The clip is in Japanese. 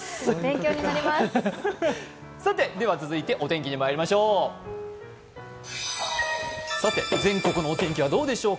続いて、お天気にまいりましょう。